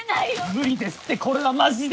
無理ですってこれはマジで。